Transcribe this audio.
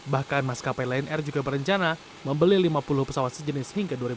bahkan maskapai lion air juga berencana membeli lima puluh pesawat sejenis hingga dua ribu dua puluh